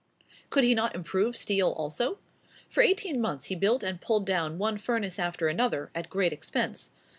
Could he not improve steel also? For eighteen months he built and pulled down one furnace after another, at great expense.